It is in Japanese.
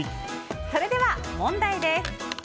それでは、問題です。